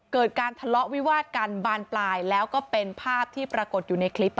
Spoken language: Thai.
เกิดการทะเลาะวิวาดกันบานปลายแล้วก็เป็นภาพที่ปรากฏอยู่ในคลิป